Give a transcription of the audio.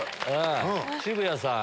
渋谷さん